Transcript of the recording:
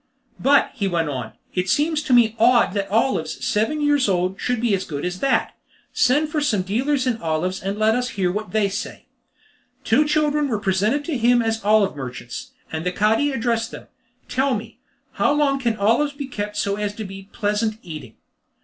"But," he went on, "it seems to me odd that olives seven years old should be as good as that! Send for some dealers in olives, and let us hear what they say!" Two children were presented to him as olive merchants, and the Cadi addressed them. "Tell me," he said, "how long can olives be kept so as to be pleasant eating?"